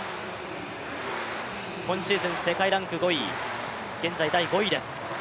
今シーズン世界ランク、現在５位です。